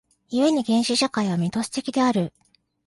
故に原始社会はミトス的である。